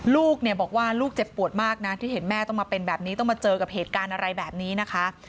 ลูกเนี่ยบอกว่าลูกเจ็บปวดมากนะที่เห็นแม่ต้องมาเป็นแบบนี้ต้องมาเจอกับเหตุการณ์อะไรแบบนี้นะคะ